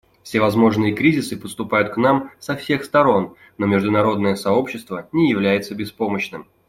Всевозможные кризисы подступают к нам со всех сторон, но международное сообщество не является беспомощным.